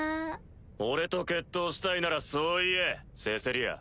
俺と決闘したいならそう言えセセリア。